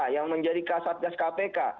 yang menjadi kasat gas kpk